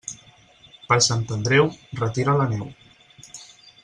Per Sant Andreu, retira la neu.